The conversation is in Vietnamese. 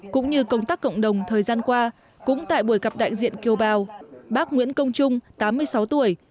cũng như công tác cộng đồng thời gian qua cũng tại buổi gặp đại diện kiều bào bác nguyễn công trung tám mươi sáu tuổi